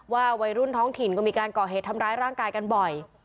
วัยรุ่นท้องถิ่นก็มีการก่อเหตุทำร้ายร่างกายกันบ่อย